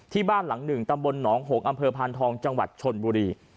ที่บ้านหลังหนึ่งตำบลหนองหงอำเภอพานทองจังหวัดชนบุรี